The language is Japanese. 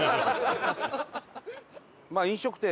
まあ飲食店。